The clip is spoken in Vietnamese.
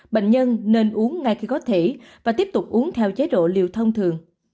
bệnh nhân nên uống ngay khi có thể và tiếp tục uống theo chế độ liều thông thường